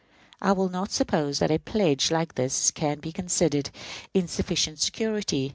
I will not suppose that a pledge like this can be considered insufficient security.